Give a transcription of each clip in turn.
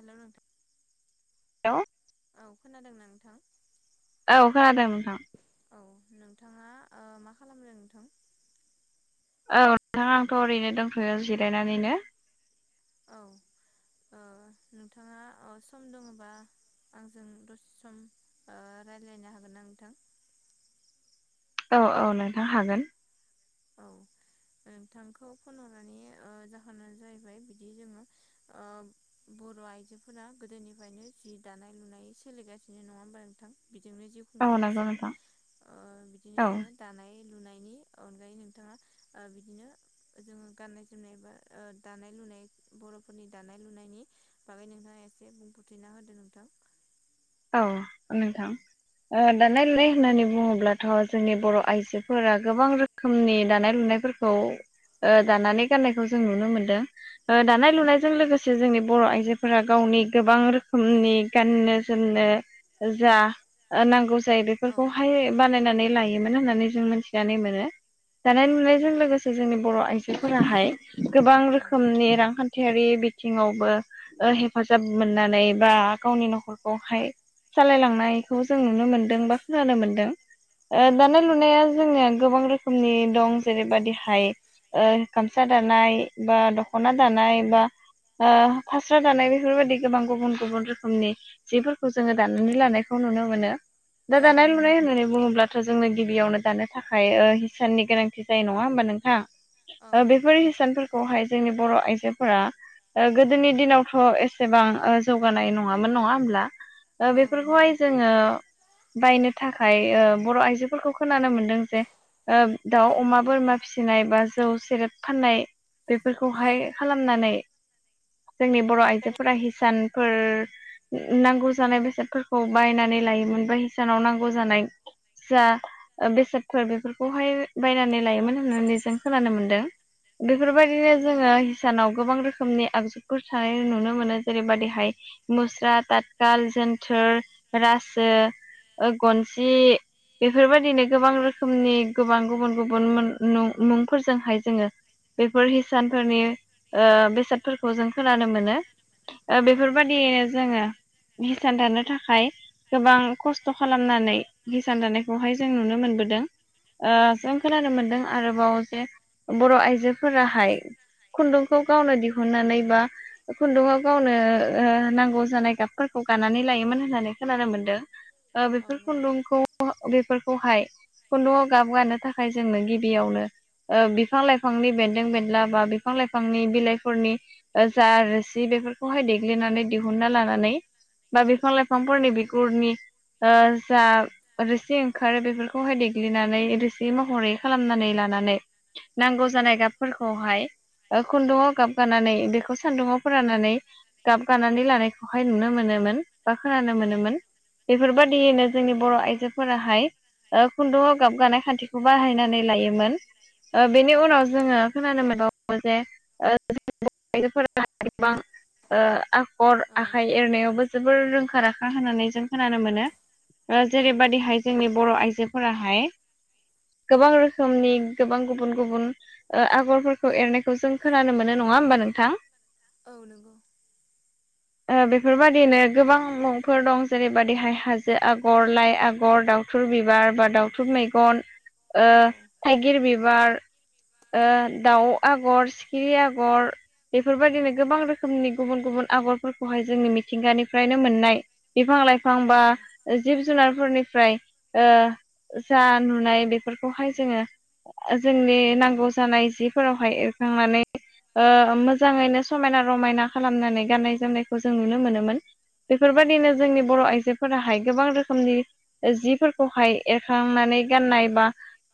हेल' नथ हेलौ औ खोनादोंना नोंथां औ खोनादों नोंथां औ नोंथाङा मा खालामदों नोंथां औ नोंथां आंथ' ओरैनो दंथ'यो जिरायनानैनो औ नोंथाङा सम दङबा आंजों दसे सम राय्लायनो हागोन आं नोंथां औ औ नोंथां हागोन औ नोंथांखौ फन हरनानै जाहोना जाहैबाय बिदि जोङो बर' आइजोफोरा गोदोनिफ्रायनो जि दानाय लुनाय सोलिगासिनो नङा होमबा नोंथां बिजोंनो जिउ औ नंगौ खुंबोगासिनो नोंथां औ बिदिनो जोङो दानाय लुनायनि नोंथाङा बिदिनो जोङो गाननाय जोमनाय बा दानाय लुनाय बर'फोरनि दानाय लुनाय होननायनि बागै नोंथाङा एसे बुंफोरथिना होदो नोंथां औ नोंथां दानाय लुनाय होननानै बुङोब्लाथ' जोंनि बर' आइजोफोरा गोबां रोखोमनि दानाय लुनाय फोरखौ दानानै गाननायखौ जों नुनो मोनदों औ दानाय लुनायजों लोगोसे जोंनि बर' आइजोफोरा गावनि गोबां रोखोमनि गाननो जोमनो जा नांगौ जायो औ बेफोरखौहाय बानायनानै लायोमोन होननानै जों मिथिनानै मोनो दानाय औ लुनायजों लोगोसे जोंनि बर' आइजोफोराहाय गोबां औ रोखोमनि रांखान्थि खान्थियारि बिथिङावबो हेफाजाब मोननानै बा गावनि न'खर खौहाय सालायलांनायखौ जों नुनो मोनदों बा खोनानो मोनदों दानाय लुनाया जोंनिया गोबां रोखोमनि दं जेरै बायदिहाय गामसा दानाय बा दख'ना दानाय बा फास्रा दानाय बेफोरबायदि गोबां गुबुन औ गुबुन रोखोमनि जिफोरखौ जोङो दानानै लानायखौ नुनो मोनो दा औ दानाय लुनाय होननानै बुङोब्ला थ' जोंनो गिबियावनो दानो थाखाय हिसाननि गोनांथि जायो नङा होमबा नोंथा औ नंगौ बेफोर हिसानफोरखौहाय जोंनि बर' आइजोफोरा गोदोनि दिनावथ' एसेबां जौगानाय नङामोन नङा होनब्ला औ नंगौ बेफोरखौहाय जोङो बायनो थाखाय बर' आइजोफोरखौ खोनानो मोनो जे दाउ औ अमा बोरमा फिसिनाय बा जौ सेरेब फाननाय औ बेफोरखौहाय खालामनानै जोंनि बर' आइजोफोरा हिसानफोर नांगौ जानाय बेसादफोरखौ बायनानै लायोमोन बा हिसानाव नांगौ जानाय जा बेसादफोर बेफोरखौहाय बायनानै लायोमोन होननानै जों खोनानो मोनदों औ बेफोरबायदिनो जोङो सानाव गोबां रोखोमनि आगजुफोर थानाय नुनो मोनो जेरैबायदिहाय मुस्रा ताथखाल जोन्थोर रासो गनसि बेफोरबायदिनो गोबां रोखोमनि गोबां गुबुन गुबुन मुंफोरजोंहाय जोङो बेफोर हिसानफोरनि बेसादफोरखौ जों खोनानो मोनो औ बेफोरबादिनो जोङो हिसान दानो थाखाय गोबां खस्थ' खालामनानै हिसान दानायखौहाय जों नुनो मोनबोदों औ जों खोनानो मोनदों आरोबाव जे बर' आइजोफोराहाय खुन्दुंखौ गावनो दिहुननानै बा खुन्दुआव गावनो नांगौ जानाय गाब फोरखौ गानानै लायोमोन होननानै खोनानो मोनदों औ बेफोर नंगौ खुन्दुंखौ बेफोरखौहाय खुन्दुआव गाबगानो थाखाय जोंनो गिबियावनो बिफां लाइफांनि बेन्दों बेनला बा बिफां लाइफांनि बिलाइफोरनि जा रोसि बेफोरखौहाय देग्लिनानै दिहुनना लानानै बा बिफां-लाइफांफोरनि बिगुरनि ओ जा रोसि ओंखारो बेफोरखौहाय देग्लिनानै रोसि महरै खालामनानै ला लाना नांगौ जानाय गाबफोरखौहाय ओ खुन्दुङाव गाबगानानै बेखौ सान्दुङाव फोराननानै गाबगानानै लानायखौहाय नुनो मोनोमोन बा खोनानो औ मोनोमोन औ बेफोरबायादियैनो जोंनि बर' आइजोफोराहाय ओ खुन्दुंआव गाबगानाय खान्थिखौ बाहायनानै लायोमोन। ओ औ बेनि उनाव जोङो खोनानो मोनबा वो जे ओ बर'जोफोराबां ओ आखर आखाइ नायावबो जोबोर रोंखा राखा होननानै जों खोनानो मोनो। ओ जेरैबायादिहाय जोंनि बर' आइजोफोराहाय गोबां रोखोमनि गोबां गुबुन गुबुन ओ आगरफोरखौ एरनायखौ जों खोनानो मोनो नङा नङा होमबा नोंथां। औ नंगौ। ओ बेफोरबायदिनो गोबां मुंफोर दं जेरैबायदिहाय हाजो आगर, लाइ आगर, दावथुर बिबार बा दाउथुब मैगन ओ औ थाइगिर बि बार ओ दाउ आगर, सिखिरि आगर औ बेफोरबायदिनो गोबां औ रोखोमनि गुबुन गुबुन आगरफोर खौहाय जोंनि मिथिंगानिफ्रायनो मोननाय बिफां लाइफां बा जिब जुनार फोरनिफ्राय ओ जा नुनाय बेफोरखौहाय जोङो ओ जोंनि नांगौ जानाय जिफोरावहाय एरखांनानै ओ मोजाङैनो समायना रमायना खालामनानै गाननाय जोमनायखौ जों नुनो मोनोमोन। बेफोरबायदिनो जोंनि बर' आइजो फोराहाय गोबां रोखोमनि जिफोरखौहाय एरखांनानै गाननाय बा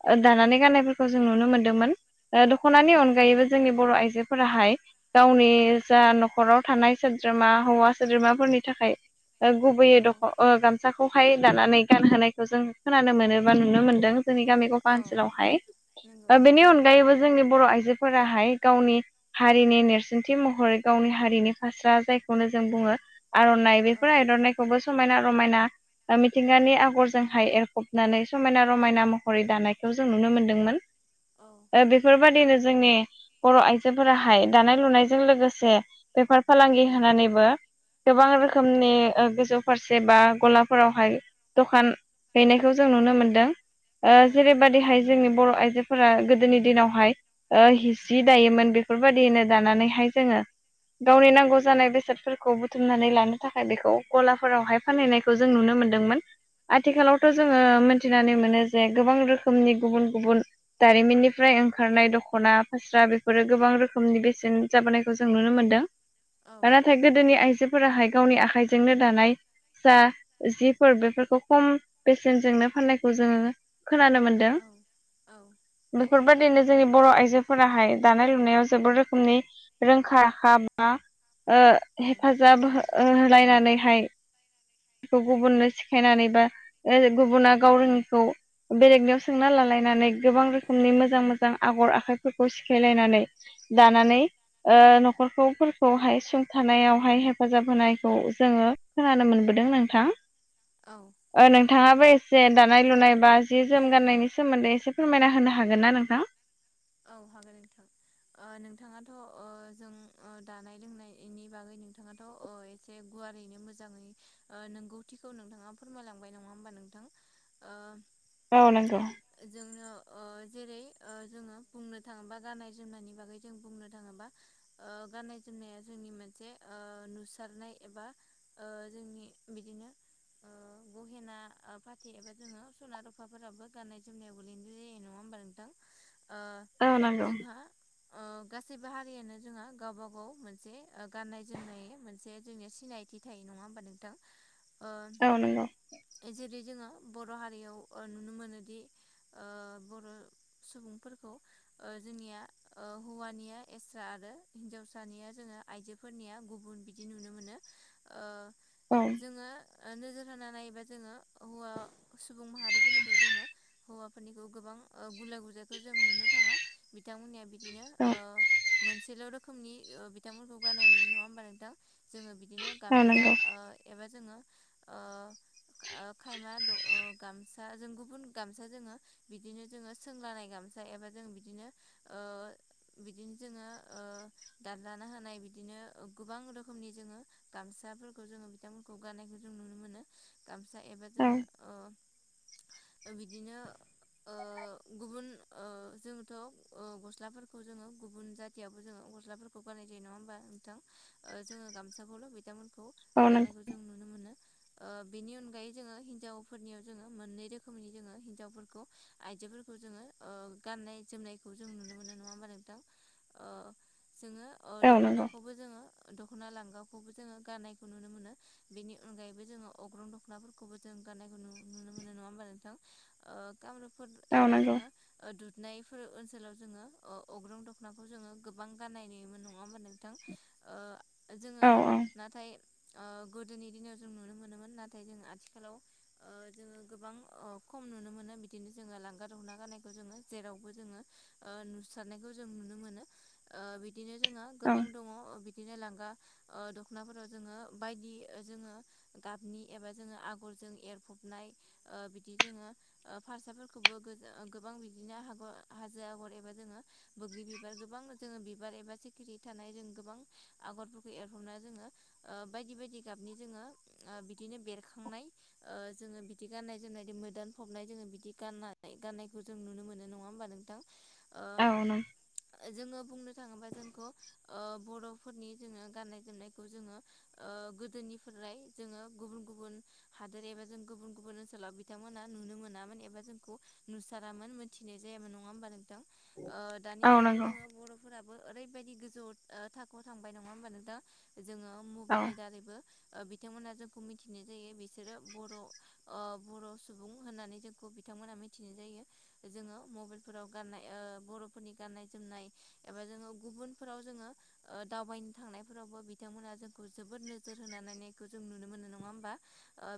ओ दानानै गाननायफोरखौ जों नुनो मोनदोंमोन ओ दख'नानि अनगायैबो जोंनि बर' आइजोफोराहाय गावनि जा न'खराव थानाय सोद्रोमा हौवा सोद्रोमाफोरनि थाखाय ओ गुबैयै औ दख' ओ गामसा खौहाय दानानै गानहोनायखौ जों खोनानो मोनो बा नुनो मोनदों। जोंनि गामि गफा औ ओनसोलावहाय। ओ नंगौ बेनि अनगायैबो जोंनि बर' आइजोफोराहाय गावनि हारिनि नेरसोनथि महरै गावनि हारिनि फास्रा जायखौनो जों बुङो आर'नाइ औ बेफोर आर'नाइखौबो समायना रमायना ओ मिथिंगानि आगरजोंहाय एरखबनानै समायना रमायना महरै दानायखौ जों नुनो मोनदोंमोन। औ ओ बेफोरबादिनो जोंनि बर' आइजोफोराहाय दानाय लुनायजों लोगोसे बेफोर बेफार फालांगि होनानैबो गोबां रोखोमनि ओ गोजौ फारसे बा गलाफोरावहाय दखान हैनायखौ जों नुनो मोनदों। ओ औ जेरैबायाददिहाय जोंनि बर' आइजोफोरा गोदोनि दिनावहाय ओ हिसि दायोमोन बेफोरबायदिनो दानानैहाय जोङो गावनि नांगौ जानाय बेसादफोरखौ बुथुमनानै लानो थाखाय बेखौ गलाफोरावहाय फानहैनायखौ जों नुनो मोनदोंमोन। औ आथिखालावथ' जोङो मोनथिनानै मोनो जे गोबां रोखोमनि गुबुन गुबुन जारिमिननिफ्राय ओंखारनाय दख'ना, फास्रा बेफोरो गोबां रोखोमनि बेसेन जाबोनायखौ जों नुनो मोनदों। नाथाय गोदोनि आइजोफोराहाय गावनि आखाइजोंनो दानाय जा जिफोर बेफोरखौ खम बेसेनजोंनो फाननायखौ जोङो खोनानो मोनदों। औ बेफोरबा दिनोनो जोंनि बर' आइजोफोराहाय दानाय लुनायाव जोबोद रोखोमनि रोंखा राखा बा ओ हेफाजाब हो-होलायनानैहाय गुबुननो सिखायनानै बा ओ गुबुना गाव रोङिखौ बेलेगनायाव सोंना ला खालायनानै गोबां रोखोमनि मोजां मोजां आगर आखाइफोरखौ सिखायलायनानै दानानै ओ न'खरखौ फोरखौहाय सुंथानायावहाय हेफाजाब होनायखौ जोङो खोनानो मोनबोदों नोंथां। औ ओ नोंथाङाबो ए से दानाय लुनाय बा जि जोम गान्नायनि सोमोन्दै एसे फोरमायना होनो हागोन ना नोंथां? औ हागोन नोंथां। ओ नोंथाङाथ' अ जों अ दानाय लोंनायनि बागै नोंथाङाथ अ एसे गु वारैनो मोजाङै अ नोंगौथिखौ नोंथाङा फोरमायलांबाय नङा होमबा नोंथां? ओ औ नंगौ। अ जेरै ओ जोङो बुंनो थाङोबा गाननाय जोमनायनि बागै जों बुंनो थाङोबा ओ गाननाय जोमनाया जोंनि मोनसे ओ अ नुसारनाय एबा ओ जोंनि बिदिनो अ गहेना अ फाथै एबा जोङो स'ना रुफाफोराबो गाननाय जोमनायावबो गोलैनाय जायो नङा बा नोथां औ नंगौ ओ गा सैबो हारियानो जोंहा गावबा गाव मोनसे ओ गाननाय जोमनाय मोनसे जोंनिया सिनायथि थायो नङा नङा होमबा नोंथां, औ नंगौ आं, जेरै जोङो बर' हारियाव अ नुनो मोनोदि अ बर' सुबुंफोरखौ अ जोंनिया हौवानिया एस्रा आरो हिन्जावसानिया जोङो आइजोफोरनिया गुबुन बिदि नुनो मोनो अ औ जोङो अ नोजोर होनानै नायोबा जोङो हौवा सुबुं माहारिफोरनिखौ जोङो हौवाफोरनिखौ गोबां अ गुला गुजाय खौ जों नुनो थाङा बिथांमोननिया बिदिनो औ अ मोनसेल' रोखोमनि अ बिथांमोनखौ गान गानाय नुयो नङा होमबा नोंथां जोङो बिदिनो औ गामसा नंगौ अ एबा जोङो अ अ, खायमा द अ गामसा जों गुबुन गामसा जोङो बिदिनो जोङो सोंलानाय गामसा एबा जों बिदिनो अ बिदिनो जोङो अ दानलानो होनाय बि बिदिनो गोबां रोखोमनि जोङो गामसाफोरखौ जोङो बिथांमोनखौ गाननायखौ जों नुनो मोनो। गामसा एबा औ जोङो अ बिदिनो अ गुबुन अ जोंथ' अ गस्लाफोरखौ जोङो गुबुन जाथियावबोथ जोङो गस्लाफोरखौ गारनाय जायो। नङा होमबा नोंथां अ जोङो गामसाखौल' बिथांमोनखौ औ नंगौ गाननायखौ जों नुनो मोनो। अ बेनि अनगायै जोङो हिन्जावफोरनियाव जोङो मोननै रोखोमनि जोङो हिनजावफोरखौ आइजोफोर खौ जोङो गाननाय जोमनायखौ जों नुनो मोनो नङा होमा नोंथां अ जोङो अ औ नंगौ दख'नाखौबो जोङो दख'ना लांगावखौबो जोङो गाननायखौ नुनो मोनो बेनि अनगायैबो जोङो अग्रं दख'नाफोरखौबो जों गाननायखौ नुनो मोनो नङा होमबा नोंथां। अ गामरुपफोर औ एबा नंगौ जोङो ओ दुधनायफोर ओनसोलाव जोङो अ अग्रुं दखनाखौ जोङो गोबां गाननाय नोयोमोन नङा होमबा नोंथां? अ औ जोङो नाथाय अ गोदोनि दिनाव जों नुनो मोनोमोन नाथाय जों आथिखालाव अ जोङो गोबां खम खम नुनो मोना बिदिनो जोङो लांगा दखना गाननाय खौ जोङो जेरावबो जोङो अ नुसारनायखौ जों नुनो मोनो अ बि बिदिनो जोङो औ गोबां दङ अ बि बिदिनो लांगा अ दख'नाफोराव जोङो बायदि जोङो गाबनि एबा जोङो आगर जों एरफबनाय अ बिदि जोङो अ फारसाफोरखौबो गोजों अ गोबां बिदिनो आगर हाजो आगर एबा जोङो बोग्रि बिबार गोबां जोङो बिबार एबा सिखिरि थार जों गोबां आगरफोरखौ एरहरना जोङो अ बायदि बायदि गाबनि जोङो अ बिदिनो बेरखांनाय अ जोङो बिदि गाननाय जोमनाय मोदान फबनाय जोङो बिदि गाननानै गाननाय खौ जों नुनो मोनो नङा होमबा नोंथां? ओ औ नंगौ, जोङो बुंनो थाङोबा जोंखौ अ बर'फोरनि जोङो गाननाय जोमनायखौ जोङो अ अ गोदोनिफ्राय जोङो गुबुन गुबुन हादोर एबा जों गुबुन गुबुन ओनसोलाव बिथांमोना नुनो मोनो मोनामोन एबा जोंखौ नुसारामोन मोनथिनाय जायामोन नङा होमबा नोंथां अ दानि औ जुगाव नंगौ जोङो बर'फोरा ओरैबायाददि गोजौ ओ थाखोआव थांबाय नङा होमबा नोंथां जोङो औ मबाइलनि दारैबो बिथांमोना जोंखौ मिथिनाय जायो बिसोरो बर' ओ बर' सुबुं होननानै जोंखौ बिथांमोना मि मिथिनाय जायो जोङो मबाइलफोराव गाननाय ओ बर'फोरनि गान्नाय जोमनाय एबा जोङो गुब गुबुनफोराव जोङो दावबायनो थांनायफोरावबो बिथांमोना जोंखौ जोबोद नोजोर होना नायखौ जों नुनो मोनो नङा होमबा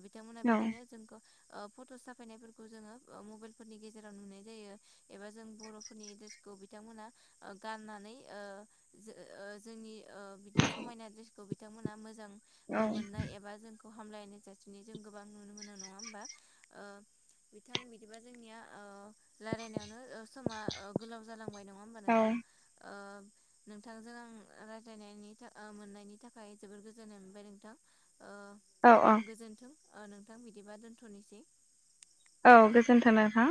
बिथांमोनहा औ बिदिनो जोंखौ ओ फट' साफायनायफोरखौ जोङो मबाइल फोरनि गेजेराव नुनाय जायो एबा जों बर'फोरनि द्रेसखौ बिथांमोना गाननानै ओ जो ओ जोंनि ओ बि समायना द्रेसखौ बिथांमोना मोजां औ मोननाय एबा जोंखौ हामलायनाय जासिनाय जों गोबां नुनो मोननाय नङा हबा। ओ बिथां बिदिबा जोंनिया ओ रायलायनायावनो समा गोलाव ओ जालांबाय नङा नङा होमबा नोंथां ओ नोंथांजों आं रायज्लायनो मोननायनि थाखाय जबोर गोजोननाय मोनबाय नोंथां। ओ औ गोजोन्थों नोंथां बिदिबा दोनथनिसै। औ गोजोन्थों नोंथां